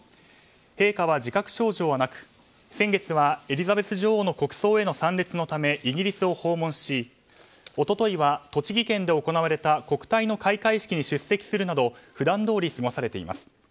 陛下は自覚症状はなく先月はエリザベス女王の国葬への参列のためイギリスを訪問し一昨日は栃木県で行われた国体の開会式に出席するなど普段どおり過ごされています。